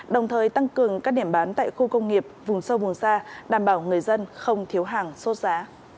đồng thời tăng cường các điểm bán tại khu công nghiệp vùng sâu vùng xa đảm bảo người dân không thiếu hàng sốt giá